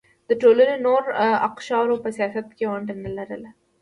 د ټولنې نورو اقشارو په سیاست کې ونډه نه لرله.